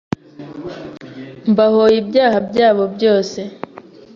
mbahoye ibyaha byabo byose,